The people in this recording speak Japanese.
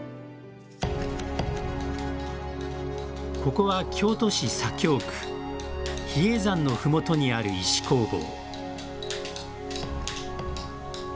ここは京都市左京区比叡山の麓にある石工房。